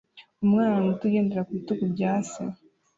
umwana muto ugendera ku bitugu bya se